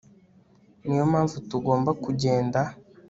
niyo mpamvu tugomba kugenda